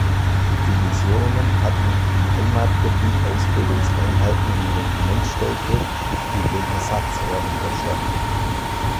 Die Divisionen hatten im Heimatgebiet Ausbildungseinheiten in Regimentsstärke, die dem Ersatzheer unterstanden.